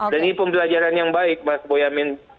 dan ini pembelajaran yang baik mas boyamin